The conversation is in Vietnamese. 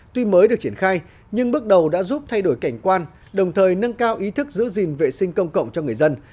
tuy mới được triển khai nhưng bước đầu đã giúp thay đổi cảnh quan đồng thời nâng cao ý thức giữ gìn vệ sinh công cộng cho người dân